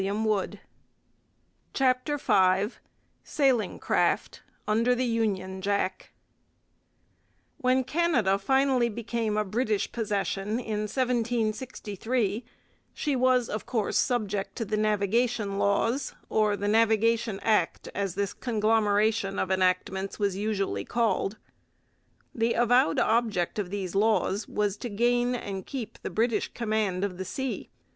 CHAPTER V SAILING CRAFT: UNDER THE UNION JACK When Canada finally became a British possession in 1763 she was, of course, subject to the navigation laws, or the Navigation Act, as this conglomeration of enactments was usually called. The avowed object of these laws was to gain and keep the British command of the sea.